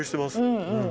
うんうん。